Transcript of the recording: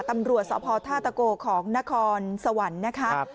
ตำรวจสอบพธาตุโกของนครสวรรค์นะครับ